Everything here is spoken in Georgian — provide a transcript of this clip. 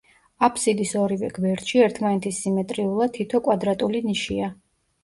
აბსიდის ორივე გვერდში, ერთმანეთის სიმეტრიულად, თითო კვადრატული ნიშია.